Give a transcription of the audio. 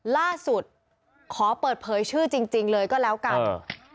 ล่าสุดขอเปิดเผยชื่อจริงเลยก็แล้วกัน